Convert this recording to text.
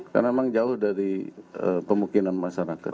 karena memang jauh dari pemukiman masyarakat